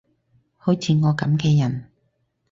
好似我噉嘅人